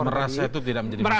meras itu tidak menjadi masalah